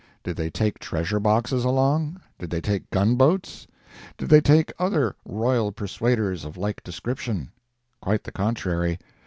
Did they take treasure boxes along? Did they take gun boats? Did they take other royal persuaders of like description? Quite the contrary.